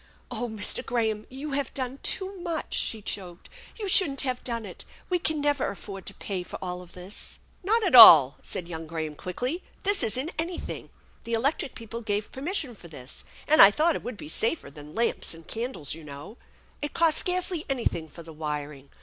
"Oh Mr. Graham! You have done too much!" she choked. " You shouldn't have done it ! We can never afford to pay for all this !"" Not at all 1 " said young Graham quickly. " This isn't anything. The electric people gave permission for this, and I thought it would be safer than lamps and candles, you know. It cost scarcely anything for the wiring.